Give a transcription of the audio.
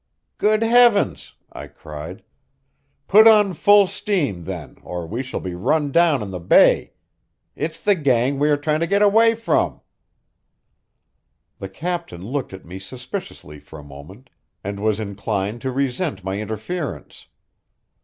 "Good heavens!" I cried. "Put on full steam, then, or we shall be run down in the bay. It's the gang we are trying to get away from." The captain looked at me suspiciously for a moment, and was inclined to resent my interference.